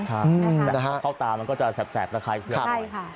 ใช่และเข้าตามันก็จะแสบและคล้ายเครื่อง